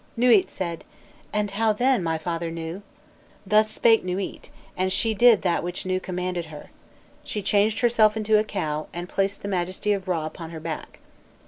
Nûît said: 'And how then, my father Nû?' Thus spake Nûît, and she did that which Nû commanded her; she changed herself into a cow, and placed the Majesty of Râ upon her back.